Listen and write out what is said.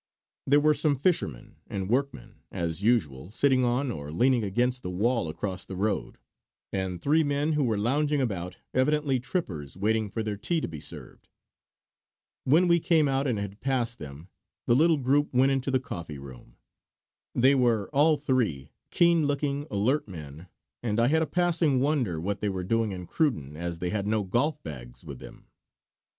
There were some fishermen and workmen, as usual sitting on or leaning against the wall across the road, and three men who were lounging about, evidently trippers waiting for their tea to be served. When we came out and had passed them, the little group went into the coffee room. They were, all three, keen looking, alert men, and I had a passing wonder what they were doing in Cruden as they had no golf bags with them.